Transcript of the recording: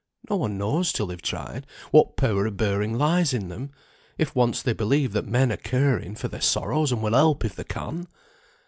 No one knows till they've tried, what power of bearing lies in them, if once they believe that men are caring for their sorrows and will help if they can.